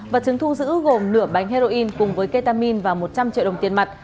vật chứng thu giữ gồm nửa bánh heroin cùng với ketamin và một trăm linh triệu đồng tiền mặt